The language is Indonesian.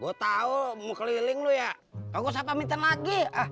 gue tau mau keliling loh ya kok gak usah pamitan lagi